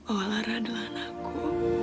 bahwa lara adalah anakku